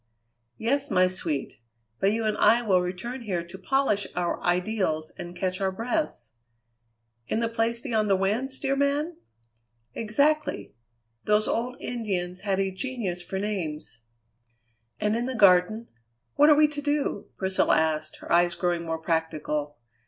"Yes, my sweet, but you and I will return here to polish our ideals and catch our breaths." "In the Place Beyond the Winds, dear man?" "Exactly! Those old Indians had a genius for names." "And in the Garden what are we to do?" Priscilla asked, her eyes growing more practical.